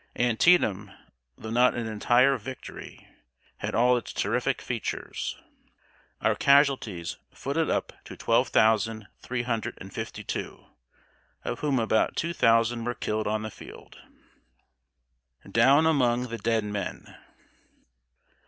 Antietam, though not an entire victory, had all its terrific features. Our casualties footed up to twelve thousand three hundred and fifty two, of whom about two thousand were killed on the field. [Sidenote: DOWN AMONG THE DEAD MEN.